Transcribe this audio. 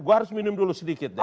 gue harus minum dulu sedikit